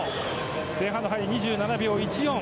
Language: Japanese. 前半の入り２７秒１４。